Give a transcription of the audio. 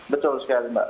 betul sekali mbak